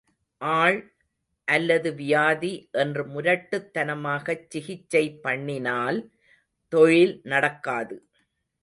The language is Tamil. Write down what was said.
ஆள் அல்லது வியாதி என்று முரட்டுத் தனமாகச் சிகிச்சை பண்ணினால், தொழில் நடக்காது.